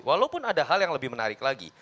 walaupun ada hal yang lebih menarik lagi